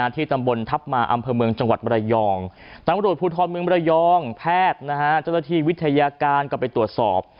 ที่ตำบลทัพมาอำเภอเมืองจังหวัดมรยองตำรวจภูทรเมืองระยองแพทย์เจ้าหน้าที่วิทยาการก็ไปตรวจสอบ